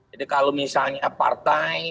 jadi kalau misalnya partai